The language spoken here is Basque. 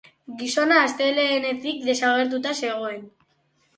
Gizona astelehenetik desagertuta zegoen.